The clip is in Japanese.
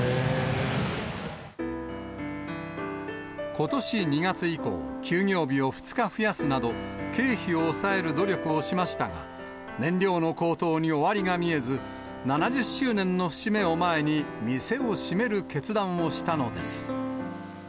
ことし２月以降、休業日を２日増やすなど、経費を抑える努力をしましたが、燃料の高騰に終りが見えず、７０周年の節目を前に、店を閉める決断をしたのです。